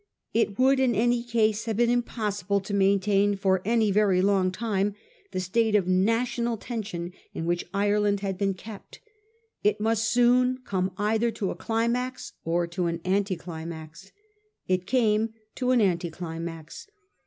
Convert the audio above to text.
It would in any case have been impossible to maintain for any very long time the state of national tension in which Ir elan d had been kept. It must soon come either to a climax or to an anti climax. It came to an anti climax.